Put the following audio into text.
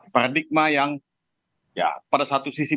paradigma yang ya pada satu sisi